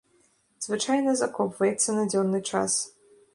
Звычайна закопваецца на дзённы час.